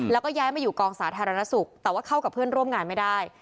แล้วก็ย้ายมาอยู่กองสาธารณสุขแต่ว่าเข้ากับเพื่อนร่วมงานไม่ได้